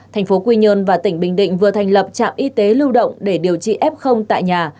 thành phố quy nhơn và tỉnh bình định vừa thành lập trạm y tế lưu động để điều trị f tại nhà